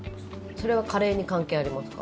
それは加齢に関係ありますか？